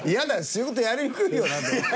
仕事やりにくいよな。